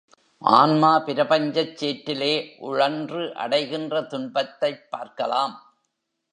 ஆன்மா பிரபஞ்சச் சேற்றிலே உழன்று அடைகின்ற துன்பத்தைப் பார்க்கலாம்.